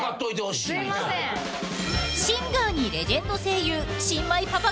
［シンガーにレジェンド声優新米パパ